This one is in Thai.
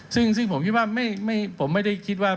ซึ่งผมคิดว่าผมไม่ได้คิดว่า